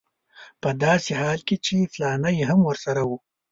په داسې حال کې چې فلانی هم ورسره و.